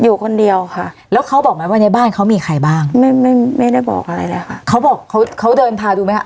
อยู่คนเดียวค่ะแล้วเขาบอกไหมว่าในบ้านเขามีใครบ้างไม่ไม่ไม่ได้บอกอะไรเลยค่ะเขาบอกเขาเขาเดินพาดูไหมคะ